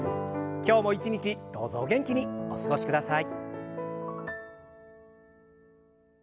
今日も一日どうぞお元気にお過ごしください。